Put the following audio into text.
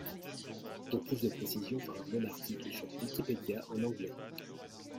Pour plus de précisions, voir le même article sur Wikipédia en anglais.